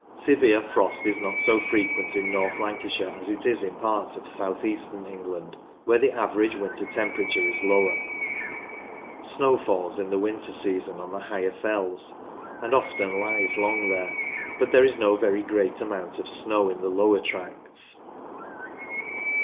Severe frost is not so frequent in North Lancashire as it is in parts of south eastern England, where the average winter temperature is lower. Snow falls in the winter season on the higher fells and often lies long there, but there is no very great amount of snow in the lower tracts.